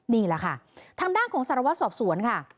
นี่แหละค่ะทางด้านของสารวัตรสอบสวนค่ะ